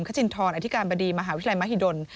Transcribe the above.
คจินทรอธิการบดีมหาวิทยาลัยมหิดล